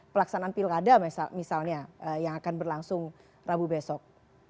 pelaksanaan pilkada misalnya yang akan berlangsung rabu besok